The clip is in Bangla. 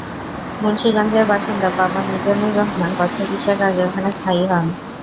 মুন্সিগঞ্জের বাসিন্দা বাবা মিজানুর রহমান বছর বিশেক আগে ওখানে স্থায়ী হন।